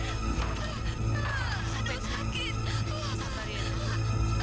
biar baik dan cantik seperti dewi sinta